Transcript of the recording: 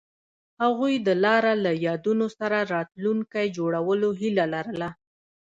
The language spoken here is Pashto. هغوی د لاره له یادونو سره راتلونکی جوړولو هیله لرله.